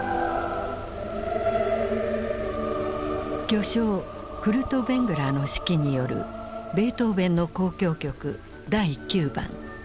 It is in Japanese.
巨匠フルトヴェングラーの指揮によるベートーヴェンの「交響曲第９番」。